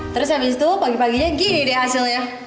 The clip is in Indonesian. terus habis itu pagi paginya gini deh hasilnya